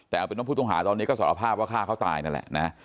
แต่เอาเป็นว่าผู้ต้องหาตอนนี้ก็สารภาพว่าฆ่าเขาตายนั่นแหละนะ